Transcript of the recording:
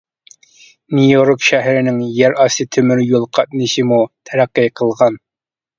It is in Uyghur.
نيۇ-يورك شەھىرىنىڭ يەر ئاستى تۆمۈر يول قاتنىشىمۇ تەرەققىي قىلغان.